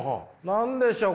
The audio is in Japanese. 何でしょう？